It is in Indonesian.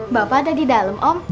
bapak ada di dalam om